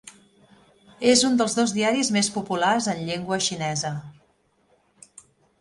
És un dels dos diaris més populars en llengua xinesa.